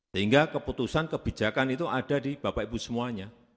sehingga keputusan kebijakan itu ada di bapak ibu semuanya